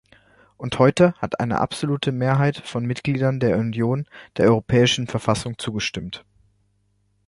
Und heute hat eine absolute Mehrheit von Mitgliedern der Union der europäischen Verfassung zugestimmt.